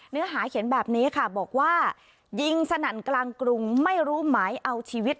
เนื้อหาเขียนแบบนี้ค่ะบอกว่ายิงสนั่นกลางกรุงไม่รู้หมายเอาชีวิต